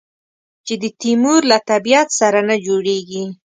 چې د تیمور له طبیعت سره نه جوړېږي.